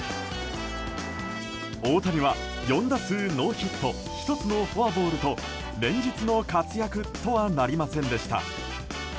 大谷は、４打数ノーヒット１つのフォアボールと連日の活躍とはなりませんでした。